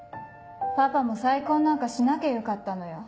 パパも再婚なんかしなきゃよかったのよ。